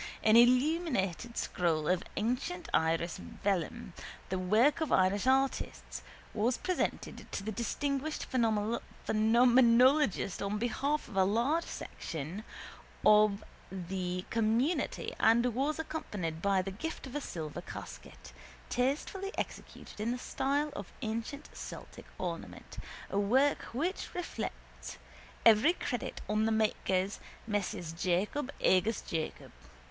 An illuminated scroll of ancient Irish vellum, the work of Irish artists, was presented to the distinguished phenomenologist on behalf of a large section of the community and was accompanied by the gift of a silver casket, tastefully executed in the style of ancient Celtic ornament, a work which reflects every credit on the makers, Messrs Jacob agus Jacob.